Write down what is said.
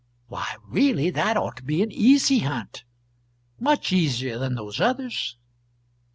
Why, really, that ought to be an easy hunt much easier than those others.